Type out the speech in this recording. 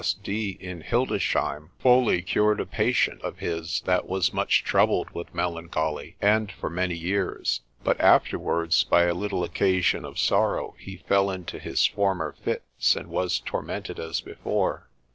S. D. in Hildesheim, fully cured a patient of his that was much troubled with melancholy, and for many years, but afterwards, by a little occasion of sorrow, he fell into his former fits, and was tormented as before.